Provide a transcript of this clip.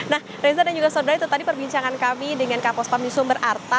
nah reza dan juga saudara itu tadi perbincangan kami dengan kapos pami sumber arta